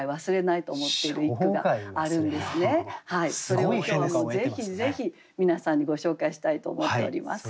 それを今日はぜひぜひ皆さんにご紹介したいと思っております。